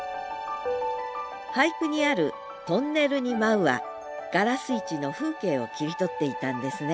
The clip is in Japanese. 俳句にある「トンネルに舞ふ」は「がらす市」の風景を切り取っていたんですね